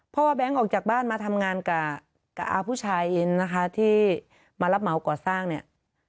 เพราะว่าแบงค์ออกจากบ้านมาทำงานกับอาผู้ชายอินนะคะที่มารับเหมาก่อสร้างเนี่ย